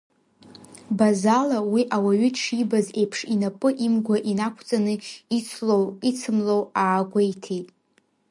Базала уи ауаҩы дшибаз еиԥш инапы имгәа инақәҵаны ицлоу ицымлоу аагәеиҭеит.